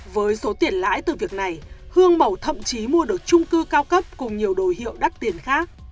với số tiền lãi từ việc này hương mầu thậm chí mua được trung cư cao cấp cùng nhiều đồ hiệu đắt tiền khác